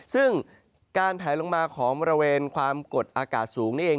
ซึ่งการแผลลงมาของบริเวณความกดอากาศสูงนี่เอง